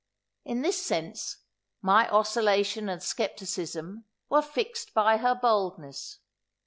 In this sense, my oscillation and scepticism were fixed by her boldness.